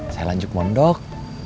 saya lanjut memdok